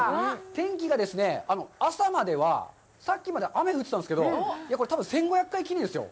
天気がですね、朝まではさっきまでは雨が降ってたんですけど、これ、多分１５００回記念ですよ。